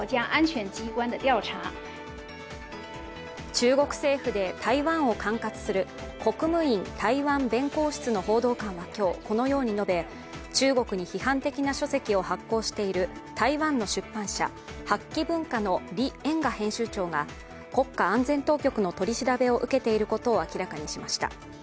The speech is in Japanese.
中国政府で台湾を管轄する国務院台湾弁公室の報道官は今日このように述べ、中国に批判的な書籍を発行している台湾の出版社八旗文化の李延賀編集長が国家安全当局の取り調べを受けていることを明らかにしました。